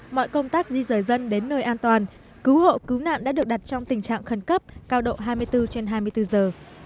mọi công tác di rời dân đến nơi an toàn cứu hộ cứu nạn đã được đặt trong tình trạng khẩn cấp cao độ hai mươi bốn trên hai mươi bốn giờ